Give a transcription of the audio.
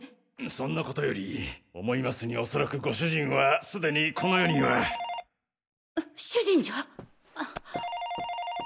そんな事より思いますにおそらくご主人はすでにこの世には。主人じゃ！？